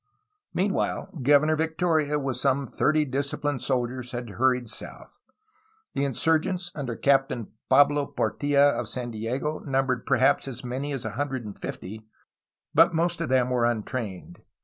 Meanwhile Governor Victoria with some thirty disciplined soldiers had hurried south. The insurgents under Captain Pablo Portilla of San Diego numbered perhaps as many as a hundred and fifty, but most of them were untrained.